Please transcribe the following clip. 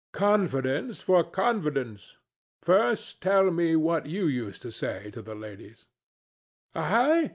Confidence for confidence. First tell me what you used to say to the ladies. THE STATUE. I!